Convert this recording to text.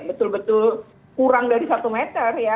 betul betul kurang dari satu meter ya